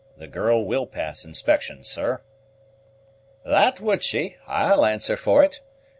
The girl will pass inspection, sir." "That would she, I'll answer for it.